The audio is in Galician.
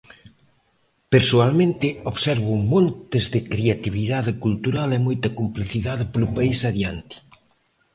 Persoalmente observo montes de creatividade cultural e moita complicidade polo país adiante.